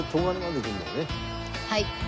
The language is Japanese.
はい！